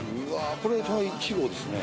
これが１号ですね。